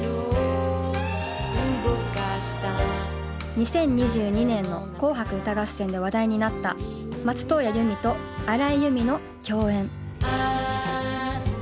２０２２年の「紅白歌合戦」で話題になった松任谷由実と荒井由実の共演。